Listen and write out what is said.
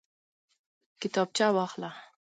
کتابچه واخله